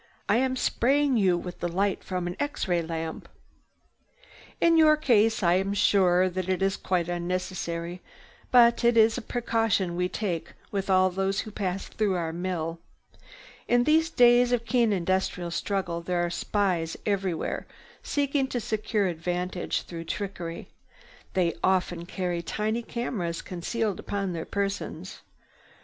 I am spraying you with the light from an X ray lamp. "In your case I am sure it is quite unnecessary. But it is a precaution we take with all those who pass through our mill. In these days of keen industrial struggle there are spies everywhere seeking to secure advantages through trickery. They often carry tiny cameras concealed upon their persons.